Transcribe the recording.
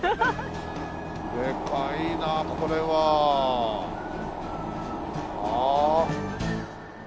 でかいなあこれは。ああ。